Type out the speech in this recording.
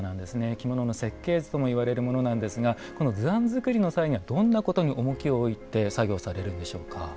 着物の設計図ともいわれるものなんですがこの図案作りの際にはどんなことに重きを置いて作業されるんでしょうか。